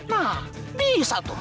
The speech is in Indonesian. nah bisa tuh